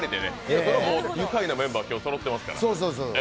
愉快なメンバーが今日はそろってますから。